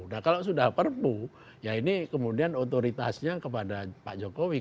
nah kalau sudah perpu ya ini kemudian otoritasnya kepada pak jokowi